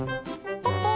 ポッポー。